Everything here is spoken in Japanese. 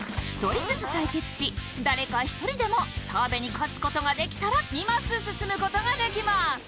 １人ずつ対決し誰か１人でも澤部に勝つことができたら２マス進むことができます。